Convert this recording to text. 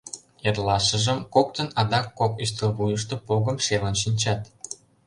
Эрлашыжым коктын адак кок ӱстел вуйышто погым шелын шинчат.